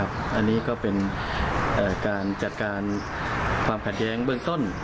อันนี้ก็เป็นการจัดการความขัดแย้งเบื้องต้น